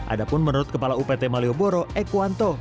adapun menurut kepala upt malioboro ekuwanto